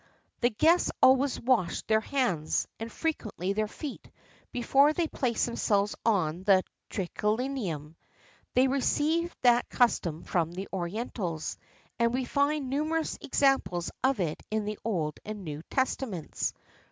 The guests always washed their hands, and frequently their feet, before they placed themselves on the triclinium.[B][XXXIV 19] They received that custom from the orientals, and we find numerous examples of it in the Old and New Testaments.